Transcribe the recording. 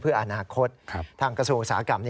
เพื่ออนาคตทางกระทรวงอุตสาหกรรม